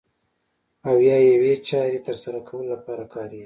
او یا یوې چارې ترسره کولو لپاره کاریږي.